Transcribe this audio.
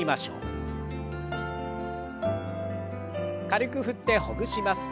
軽く振ってほぐします。